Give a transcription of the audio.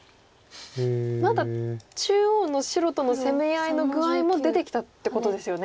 まだ中央の白との攻め合いの具合も出てきたってことですよね。